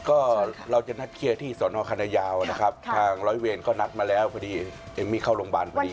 ก็เราจะนัดเคลียร์ที่สอนอคณะยาวนะครับทางร้อยเวรก็นัดมาแล้วพอดีเอมมี่เข้าโรงพยาบาลพอดี